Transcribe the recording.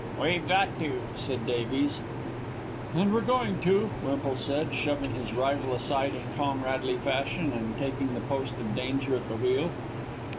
"We've got to," said Davies. "And we're going to," Wemple said, shoving his rival aside in comradely fashion and taking the post of danger at the wheel.